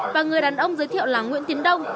và người đàn ông giới thiệu là nguyễn tiến đông